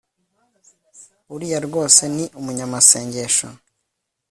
uriya rwose ni umunyamasengesho